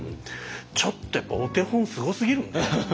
ちょっとやっぱお手本すごすぎるんで。